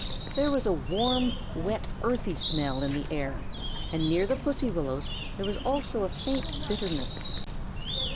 There was a warm, wet, earthy smell in the air, and near the pussy willows there was also a faint bitterness.